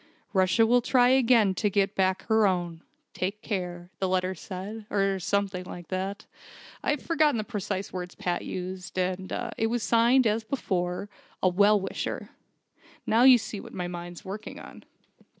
'Russia will try again to get back her own. Take care,' the letter said or something like that. I've forgotten the precise words Pat used. And it was signed, as before: 'A Well Wisher'. Now you see what my mind's working on."